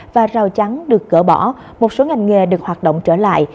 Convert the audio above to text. và rào chắn được cỡ bỏ một số ngành nghề được hoạt động trở lại